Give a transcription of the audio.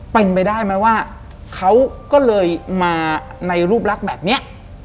เป็นไปได้ไหมว่าเขาก็เลยมาในรูปลักษณ์แบบนี้